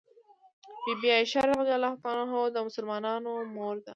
بي بي عائشه رض د مسلمانانو مور ده